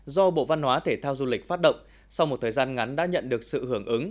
do bộ văn hóa thể thao du lịch phát động sau một thời gian ngắn đã nhận được sự hưởng ứng